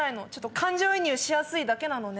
感情移入しやすいだけなのね。